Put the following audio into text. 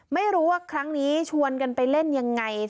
ไม่รู้ว่าครั้งนี้ชวนกันไปเล่นยังไง